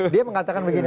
dia mengatakan begini